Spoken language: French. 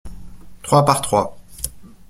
Trois par trois.